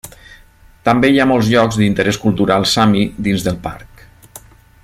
També hi ha molts llocs d'interès cultural Sami dins del parc.